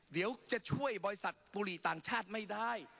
เดี๋ยวจะช่วยบริษัทบุหรี่ต่างชาติไม่ได้